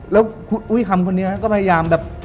แล้วคุณอุ้ยคำคนนี้ก็พยายามแบบ